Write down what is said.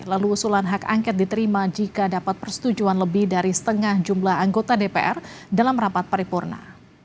lalu usulan hak angket diterima jika dapat persetujuan lebih dari setengah jumlah anggota dpr dalam rapat paripurna